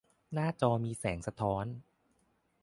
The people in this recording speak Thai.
หน้าจอมีแสงสะท้อน